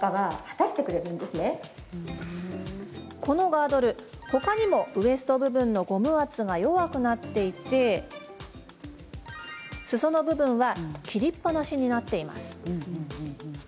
このガードルほかにもウエスト部分のゴム圧が弱くなっていてすその部分は切りっぱなしになっています。